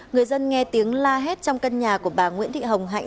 người dân nghe tiếng la hét trong căn nhà của bà nguyễn thị hồng hạnh